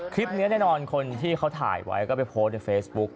คลิปนี้แน่นอนคนที่เขาถ่ายไว้ก็ไปโพสต์ในเฟซบุ๊ก